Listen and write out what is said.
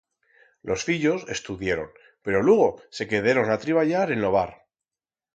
Los fillos estudieron, pero lugo se quederon a triballar en lo bar.